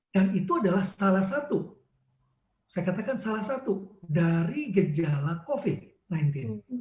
dan itu adalah salah satu saya katakan salah satu dari gejala covid sembilan belas